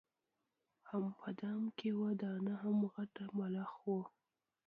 هم په دام کي وه دانه هم غټ ملخ وو